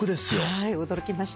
はい驚きました。